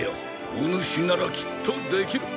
おぬしならきっとできる。